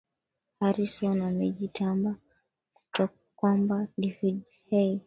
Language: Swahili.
harison amejitamba kwamba david hey